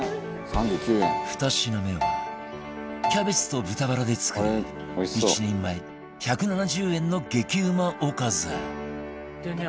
２品目はキャベツと豚バラで作る１人前１７０円の激うまおかずでね